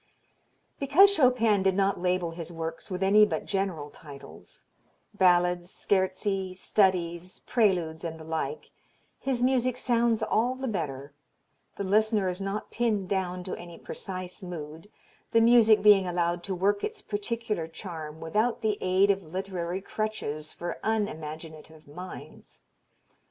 Because Chopin did not label his works with any but general titles, Ballades, Scherzi, Studies, Preludes and the like, his music sounds all the better: the listener is not pinned down to any precise mood, the music being allowed to work its particular charm without the aid of literary crutches for unimaginative minds.